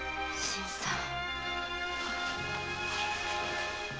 新さん